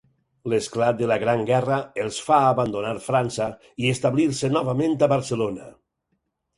L'esclat de la Gran Guerra els fa abandonar França i establir-se novament a Barcelona.